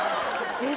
えっ！？